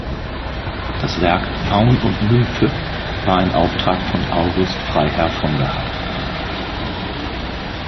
Das Werk "Faun und Nymphe" war ein Auftrag von August Freiherr von der Heydt.